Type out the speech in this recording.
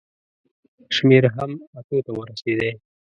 شمېر هم اتو ته ورسېدی.